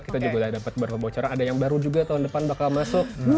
kita juga udah dapat beberapa bocoran ada yang baru juga tahun depan bakal masuk